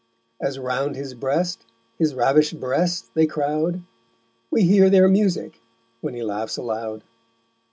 As round his Breast, his ravish'd Breast they crowd, We hear their Musick when he laughs aloud_.